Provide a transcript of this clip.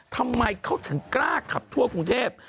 ทำไมเขาถึงกล้าขับทั่วกรุงเทพ